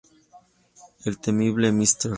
El temible Mr.